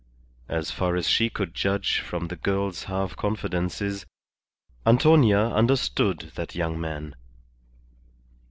As far as she could judge from the girl's half confidences, Antonia understood that young man.